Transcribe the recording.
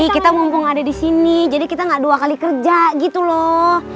kita mumpung ada di sini jadi kita gak dua kali kerja gitu loh